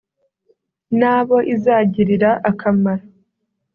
n’abo izagirira akamaro